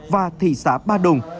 và thị xã ba đồng